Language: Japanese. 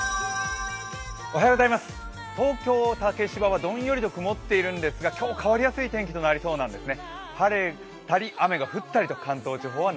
東京・竹芝はどんよりと曇っているんですが、今日、変わりやすい天気となりそうなんですね